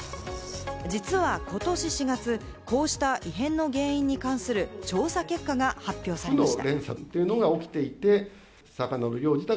実はことし４月、こうした異変の原因に関する調査結果が発表されました。